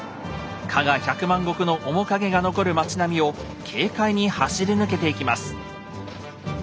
加賀百万石の面影が残る町並みを軽快に走り抜けていきます。